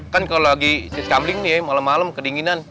kan kalau lagi isis kamling nih ya malam malam kedinginan